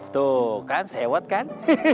tuh kan sewot kan